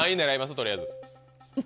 取りあえず。